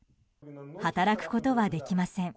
働くことはできません。